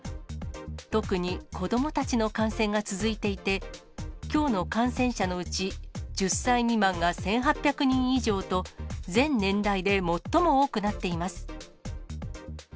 特に子どもたちの感染が続いていて、きょうの感染者のうち、１０歳未満が１８００人以上と、全年代で最も多くなっています。